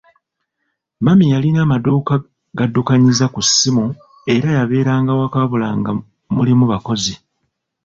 Mami yalina amaduuka g'addukanyiza ku ssimu era yabeeranga waka wabula nga mulimu bakozi.